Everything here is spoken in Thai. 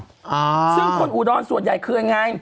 อ่าซึ่งคนอุดรส่วนใหญ่คือยังไง